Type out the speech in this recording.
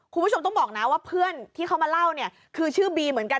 คุณผู้ชมต้องบอกนะว่าเพื่อนที่เขามาเล่าเนี่ยคือชื่อบีเหมือนกัน